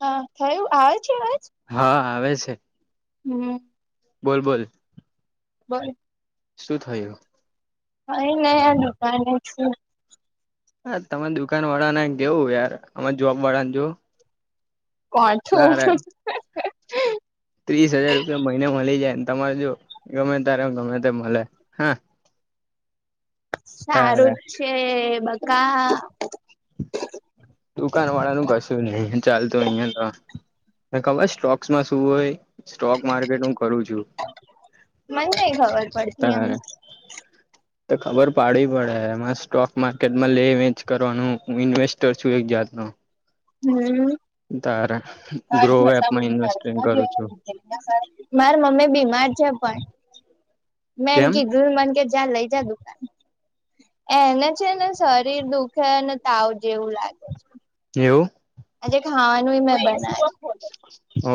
હ થયું આવે છે આવાજ હા આવે છે હમ બોલ બોલ બર શું થયું હ એ નયા દુકાન હ છે હા તમે દુકાન વાળાને જવું યાર અ જોબ વાળા ને જોું કો છું ત્રીસ હજાર રૂપિયા મહિને મળી જાય તમારે જો ગમે ત્યારે ગમે તે મળે હા- તારે સારું જ છે બધા - દુકાન વાળા નું કશું નઈ ચાલતું અહિયાં તો- ખબર સ્ટોક્સમાં શું હોય સ્ટોક માર્કેટ હું કરું છું મજ હત ત તો ખબર પાડીવી પડે એમાં સ્ટોક માર્કેટમાં લે વેચ કરવાનું હું ઇન્વેસ્ટર છું એક જાતનો હમ તારે ગ્રો એપમાં ઇન્વેસ્ટમેન્ટ કરું છું. માર મમ્મી બીમાર છે પણ મે કેમ એનકી [unintelligible] મન કે ચાલ લઈ જા દુકાને - એને છે ને શરીર દુખે અને તાવ જેવું લાગે- છે એવું આજે ખાવાનું મેં બનાવ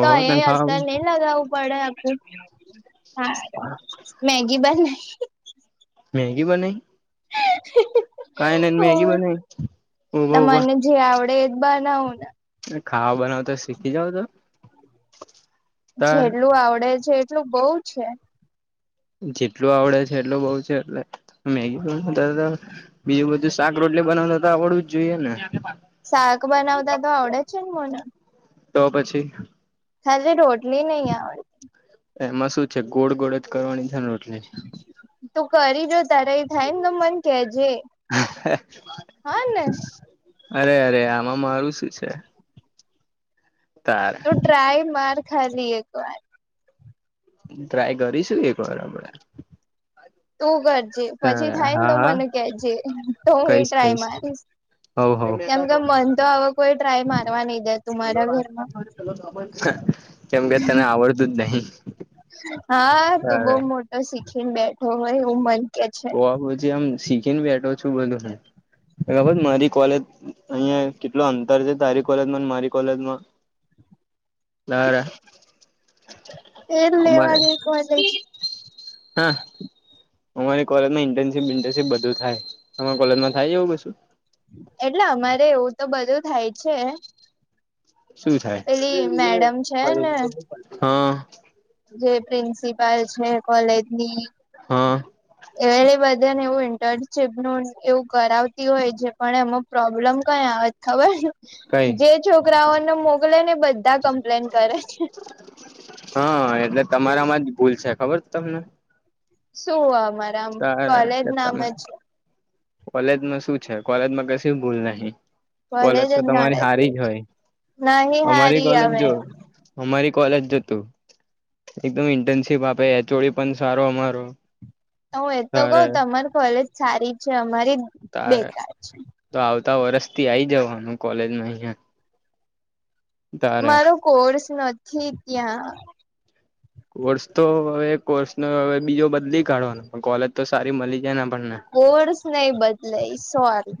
તો તને અહી ખબર અસર નઈ લગાવ- પડ- હા [unintelligible] મેગી બને. મેગી બને કે હ [unintelligible] કઈ નહી મેગી બ ઊભા ઊભા તમાને જે આવડે એજ બનવું ને - ખાવા બનાવ તો શીખી જાવ તો- તાર જેટલું આવડે છે એટલું બઉ છે. જેટલું આવડે છે એટલું બઉ છે એટલે મેગી- બીજું બધું શાક રોટલી બનાવને તો આવડવું જ જોઈએ ને- શાક બનાવતા તો આવડે જ છે ને મને- તો પછી- હજી રોટલી નહી આવડે- એમાં શું છે ગોળ ગોળ જ કરવાની છે રોટલી- તું કરી જો તારા એ થાય ને તો મન કેજે હા ને- અરે અરે આમાં મારું શું છે. તારા - તું ટ્રાય માર ખાલી એક વાર- ટ્રાય કરીશું એક વાર આપડે- તું કરજે પછી તારે થાય ને હા તો હા મને કેજે તો હું એ કહીશ ટ્રાય કહીશ મારીશ- હવ હવ કેમ કે મન તો આવો કોઈ ટ્રાય મારવા નઈ દે તું મારા ઘરમાં- કેમ કે તને આવડતું જ નહી. હા તું તારે બઉવ મોટો શીખીને બેઠો હોય એવું મને કે છે. હ પછી આમ શીખી ને બેઠો છું બોલું હું. ખબર મારી કોલેજ અહિયાં કેટલો અંતર છે તારી કોલેજમાં મારી કોલેજમાં- નારા- એ લેવા દે કોલેજ હા અમારી કોલેજમાં ઈન્ટર્નશીપ ઈન્ટનશીપ બધું થાય તમારે કોલેજમાં થાય એવું કશું? એટલે અમારે એવું તો બધું થાય છે. શું થાય પેલી મેડમ છે ને હા- જે પ્રિન્સિપાલ છે કોલેજની- હા- એ બધાને એવું ઇન્ટર્નશીપ નું એવું કરાવતી હોય છે. પણ એમાં પ્રોબ્લેમ કયા- ખબરને કઈ જે છોકરાઓને મોકલે ને બધા કમ્પ્લેન કરે છે. હા એટલે તમારામાં જ ભૂલ છે. ખબર તમને? શું અમારા આમ તારા કોલેજ નામ તમે જ- કોલેજમાં શું છે કોલેજમાં કશ ભૂલ નહી કોલેજ જ તો તમારી હારી જ ગણે હોય નહી અમારી હારી કોલેજ હવે જોય? અમારી કોલેજ જતું? એકદમ ઇન્ટર્નશીપ આપે એચ ઓડી પણ સારો અમારો- હું એતો કઉ તારે તમામારી કોલેજ સારી છે. અમારી- તારે બેકાર તો આવતા વરષથી આઈ જવાનું કોલેજમાં અહિયાં. તારે મારો કોર્સ નથી ત્યાં. કોર્સ તો હવે કોર્સ નો હવે બીજો બદલી કાઢવાનો કોલેજ તો સારી મળી જાય ને આપણને. કોર્સ નહી બદલે સોરી.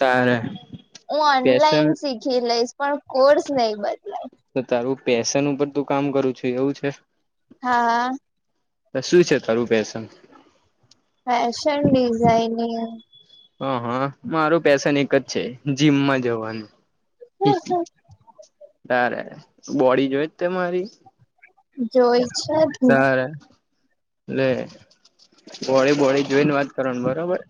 તારે હું પેશન ઓનલાઈન શીખી લઈશ પણ કોર્સ નહી બદલાય. તો તારું પેેશન ઉપર તું કામ કરું છું એવું છે? હા શું છે તારૂ પેશન.? Fashion designing. હ હા મારું ફેસન એક જ છે જીમમાં જવાનું. ત બોડી જોઈ જ તે મારી?? જોઈ છે જ ને તાર લે બોળી બોળી જોઈને વાત કરવાની બરાબર?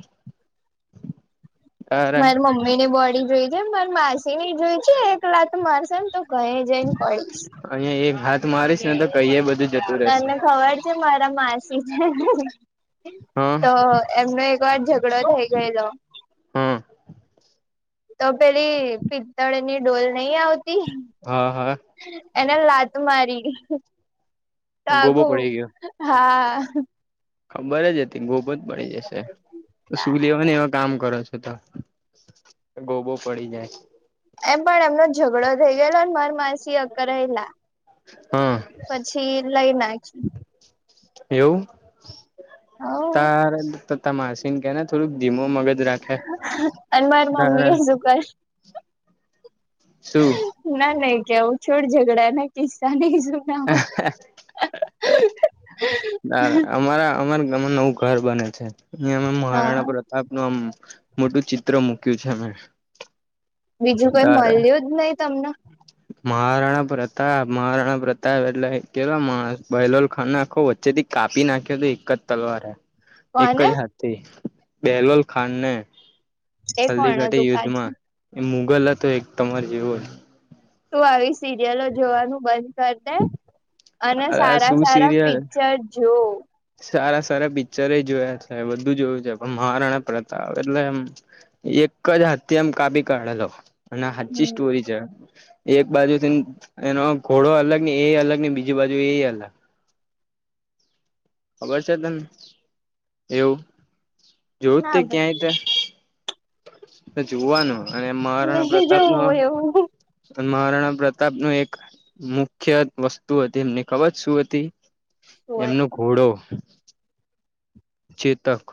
મારી મમ્મી ની બોડી જોઈ છે મારી માસી ની જોય છે? એક લાત મારસે ને તો કઈ જઈને પડીશ. અહીયા એક હાથ મારીશ ને તો કહીએ બધું જતું ત રહેશે એમને ખબર છે મારા માસી હા તો એમનું એક વાર ઝઘડો થઈ ગએલો. હા તો પેલી પિત્તળની ડોલ નહી આવતી? હા હા, એને લાત મારી તો ગોબો આખું પડી ગયો હા ખબર જ હતી. ગોબો જ પડી જશે શું લેવાને એવા કામ કરો છ? ગોબો પડી જાય. એમ પણ એમનો ઝઘડો થઈ ગયેલો માર માસી અકલાયેલા હા પછી લઈ ના-' એવું હ તાર? માસિન કે થોડક ધીમો મગજ રાખ અને મારી મમ્મી એ શું કર્યુ? શું? ના નાઈ કહું છોડ ઝઘડા ના કિસ્સા ને, [inaudible] ર અમારા અમારા ગામમાં નવું ઘર બને છે. અ અ હા મહારાણા પ્રતાપ આપનું આમ મોટું ચિત્ર મૂક્યું છે અમે. બીજું કોઈ મળ્યું જ નહી તમને? હમ મહારાણા પ્રતાપ, મહારાણા પ્રતાપ એટલે કેલો બલોલ ખાન આખો વચ્ચેથી કાપી નાખ્યો તો એક જ તલવાર હે. એક કોને જ હાથથી બેહલવલ ખાન ને, એ હલ્દી કોણ ઘાટી હતું યુદ્ધ માં પાછું એ મુગલ હતો એક તમારે જેવો તો આવી સિરિયલો જોવાનું બનકર. કર અને આ સારા શું સારા સિરિયલ પિક્ચર જોવ. સારા સારા પિક્ચર એ જોયા છે. બધું જોયું છે. પણ મહારાણા પ્રતાપ એટલે એમ એક જ હાથથી આમ કાપી કાઢેલો. અને હાચી હમ સ્ટોરી છે. એક બાજુથીન એનો ઘોડો અલગ ને, એ અલગને, બીજી બાજુ એ અલગ. ખબર છે તને એવું જોયું જ તે ના ક્યાંય? તો જોવાનું અને ભાઈ મહારાણા નહી પ્રતાપ નો જોવું એવું પણ મહારાણા પ્રતાપ ન એક મુખ્ય વસ્તુ હતી એમને ખબર શું હતી.? હોય એમનો ઘોડો ચેતક.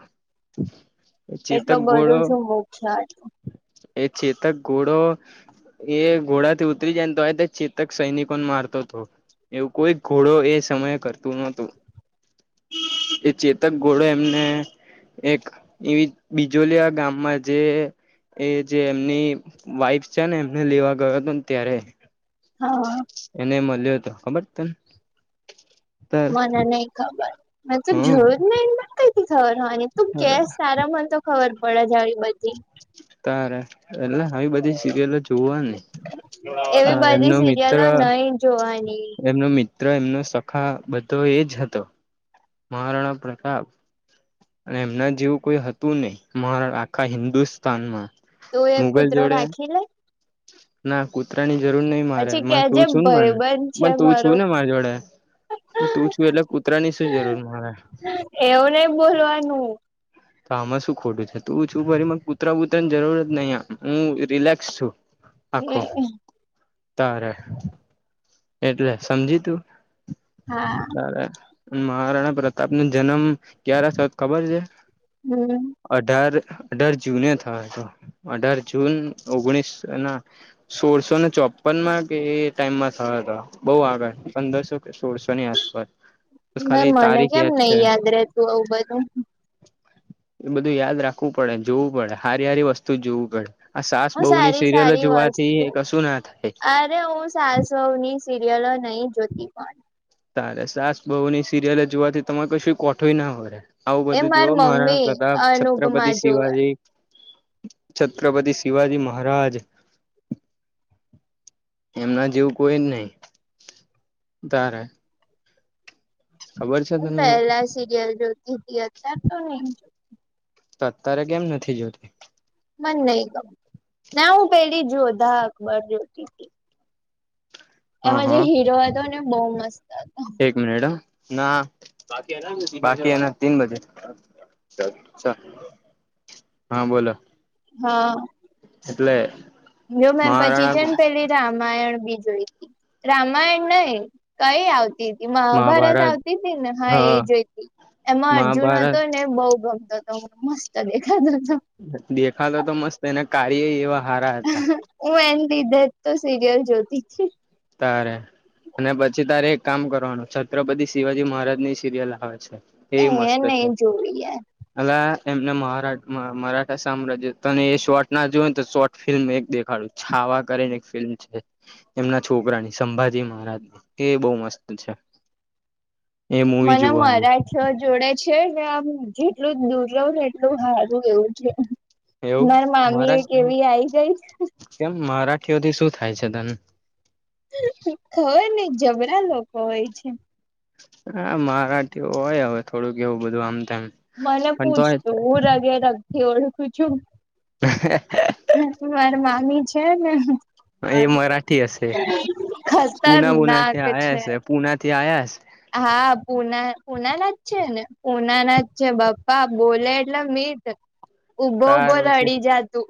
એટલો બધું શું મુખ છે આનું? એક ચેતક ઘોડો એ ઘોડાથી ઉતરી જાય ને તોય તે ચેતક સૈનિકોને મારતો તો. એવું કોઈ ઘોડો એ સમયે કરતું નોતું. એ ચેતક ઘોડો એમને એક એવી બીજોલીયા ગામમાં જે એ જે એમની વાઈફસ છે ને એમને લેવા ગયો તોને ત્યારે હહ અ એને મળ્યો તો. ખબર છે તન? મને નહીં ખબર. મેં તો હમ જોયો જ નહીં [inaudible] ખબર હોવાની તું કેસ સારા મને તો ખબર પડે જ આવી બધી. તારે એટલે આવી બધી સિરિયલો જોવાની. એવી હહ બધી એમનો મિત્ર સિરિયલો નહી જોવાની એમનો મિત્ મિત્ર એમનો સખા બધો એ જ હતો. મહારાણા પ્રતાપ. અને એમના જેવું કોઈ હતું નહીં. મારા આખા હિન્દુસ્તાનમાં. તું એક મુગલ કૂતરો જોડે રાખી લે. ના કૂતરાની જરૂર નઈ મારે. પછી મારે કેજે તું છું ન બન ભાઈબંધ બન તું છે મારો ને માર જોડે. તું છું એટલે કૂતરાની શું જરૂર મારે. એવું નહીં બોલવાનું. તો આમાં શું ખોટું છે. તું છું ફરી મન કૂતરા બૂતરાની જરૂર જ નહી આમ. હું રિલેક્સ છું. આખો તારે. એટલે સમજી તું. હા બરાબર. મહારાણા પ્રતાપનો જનમ ક્યારે થયો ત ખબર છે? હમ અઢાર અઢાર જૂને થયો તો અઢાર જૂન ઓગણીસ ના સોળસો ને ચોપનમાં કે એ ટાઈમમાં થયો તો બહુ આગળ. પંદરસો કે સોળસોની આસપાસ બસ મેં ખાલી મને તારીખ કેમ નઈ છે યાદ રેતું આવું બધું. એ બધું યાદ રાખવું પડે. જોવું પડે હારી હારી વસ્તુ જોવું પડે. આ સાસ હું બહુની સારી સિરિયલો સારી જોવાથી વસ્તુ કશું ના થાય. અરે ઓસ સાસ બહુની સિરિયલો નહી જોતી પણ. તારે સાસ બહુની સિરિયલો જોવાથી તમારે કશું કોઠોય ના ભરે. આવું એ બધું મારી જુઓ. મહારાણા મમ્મી પ્રતાપ, અનુપમા છત્રપતિ જોવે શિવાજી. છત્રપતિ શિવાજી મહારાજ. એમના જેવું કોઈ જ નહી. તારે ખબર છે હું તને એવું પહેલા સિરિયલ જોતીતી અતાર તો નહી જોત તો અતારે કેમ નથી જોતી? મને નહી ક ના હું પેલી જોધા અકબર જોતી હા એમાં જે હા હીરો હતો ને બહુ મસ્ત હતો. મેડમ ના બાકી એના તીન બજે ચલ ચલ હા બોલો. હા. એટલે જો મેમ પછી છે ન મહારાણા પેલી રામાયણ બી જોઈતી. રામાયણ નહીં કઈ આવ તીતી મહાભારત આવતી તી ને હા એ જોઈતી એમાં અર્જુન હતો મહાભારત ને બહુ ગમતો તો મને. મસ્ત દેખાતો તો. દેખાતો તો મસ્ત એના કાર્યએ એવા હારા હતા. પણ હું એન લીધે જ તો સિરિયલ જોતીતી. તારે અને પછી તારે એક કામ કરવાનું છત્રપતિ શિવાજી મહારાજની સિરિયલ આવે છે. એ મસ્ત છે નહી જોવી યાર. અલા એમને મહા મરાઠા સામ્રાજ્ય તને એ શોટ ના જોય ને શોટસ ફિલ્મ એક દેખાડું છાવા કરીને એક ફિલ્મ છે એમના છોકરાની સંભાજી મહારાજની એ બહુ મસ્ત છે એ મૂવી મને જોવાની મરાઠા જોડે છે ને આમ જેટલું દૂર રહું ને એટલું સારું એવું છે. એવું મારા મામી એક મરાઠી એવી આઈ ગઈ કેમ મરાઠીઓથી શું થાય છે તને ખબર ને જબરા લોકો હોય છે હા મારાઠી હોય હવે થોડુંક એવું બધું આમ તેમ મને પણ તોય પૂછતું હું રગે રગથી ઓળખું છું. [unintelligible] હ માર મામી છે ને એ મરાઠી હશે પુના બુના થી ખતરનાક આવયા છે. હશે પુના થી આવયા હશે. હા પુના પુનાના જ છે ને પુનાના જ છે બાપા બોલે એટલે મીઠ ઉભો તાર ઉભો પછી રડી જા તું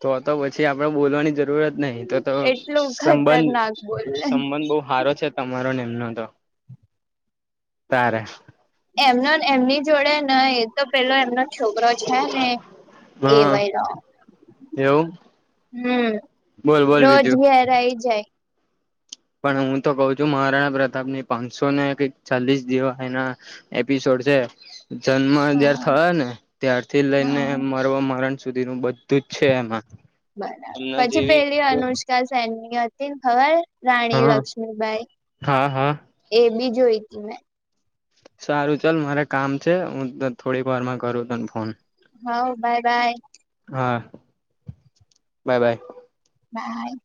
તો તો પછી આપડે બોલવાની જરૂરત નહી તો તો એટલું સંબંધ ખતરનાક બોલે સંબંધ બહું સારો છે તમારોને એમનો તો તારે એમનો એમની જોડે નહી તો પેલો એમનો છોકરો છે ને હા એવાય રોંગ એવું હમ્મ બોલ બોલ રોજ બીજું ઘેર આઈ જાય પણ હું તો કઉ છું મહારાણા પ્રતાપ ની પાંચસો ને ચાલીસ જેવા એના એપિસોડ છે જન્મ જયારે હા થયો ને ત્યારથી લઈને હા મારવા મરણ સુધી નું બધ તું જ છે એમાં એમના બરાબર પછી જેવી પેલી અનુષ્કા સેનની હતી ને ખબર રાણી હા લક્ષ્મીબાઈ હા હા એ બી જોઈ તી મેં સારું ચાલ મારે કામ છે હું તન થોડીક વારમાં કરું તને ફોન હા બાય બાય. હા બાય બાય. બાય